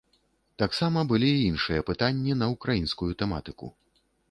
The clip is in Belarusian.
Таксама былі і іншыя пытанні на ўкраінскую тэматыку.